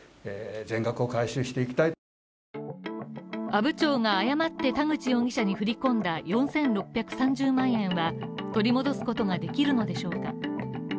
阿武町が誤って田口容疑者に振り込んだ４６３０万円は取り戻すことができるのでしょうか